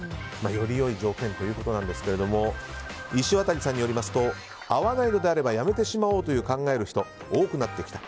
より良い条件ということなんですけど石渡さんによりますと合わないのであれば辞めてしまおうと考える人、多くなってきた。